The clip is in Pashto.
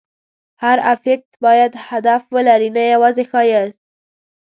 هر افکت باید هدف ولري، نه یوازې ښایست.